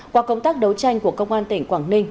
qua công tác đấu tranh của công an tỉnh quảng ninh